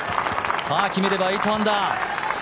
決めれば８アンダー。